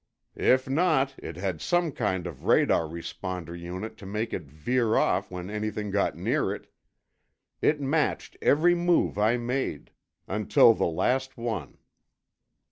"If not, it had some kind of radar responder unit to make it veer off when anything got near it. It matched every move I made, until the last one."